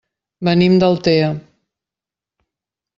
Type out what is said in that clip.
Venim d'Altea.